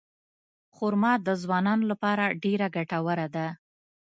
خرما د ځوانانو لپاره ډېره ګټوره ده.